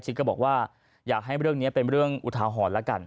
ก็บอกว่าอยากให้เรื่องนี้เป็นเรื่องอุทาหรณ์แล้วกัน